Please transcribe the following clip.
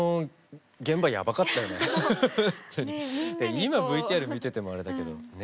今ＶＴＲ見ててもあれだけどね。